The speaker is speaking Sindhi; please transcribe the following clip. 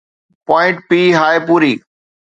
پوائنٽ پي هاءِ پوري